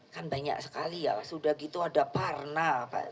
kan banyak sekali ya sudah gitu ada parna